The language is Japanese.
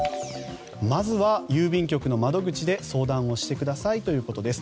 まずは郵便局の窓口で相談をしてくださいということです。